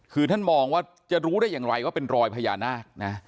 คือท่านมองว่าจะรู้ได้อย่างไรว่าเป็นรอยพญานาคนะ